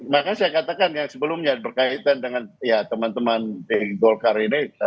makanya saya katakan yang sebelumnya berkaitan dengan ya teman teman di golkar ini